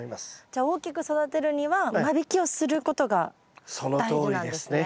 じゃあ大きく育てるには間引きをすることが大事なんですね。